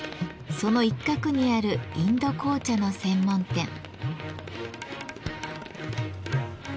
その一角にあるインド紅茶の専門店。